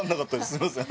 すみません。